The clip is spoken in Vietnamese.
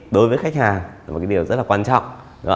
đó là một cái điều rất là quan trọng